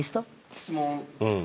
質問。